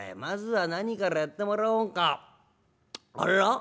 まずは何からやってもらおうか」。